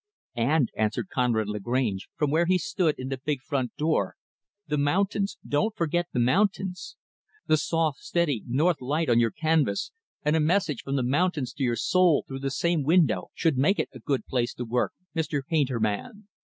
"And," answered Conrad Lagrange, from where he stood in the big front door, "the mountains! Don't forget the mountains. The soft, steady, north light on your canvas, and a message from the mountains to your soul, through the same window, should make it a good place to work, Mr. Painter man.